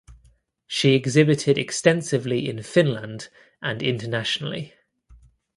She exhibited extensively in Finland and internationally.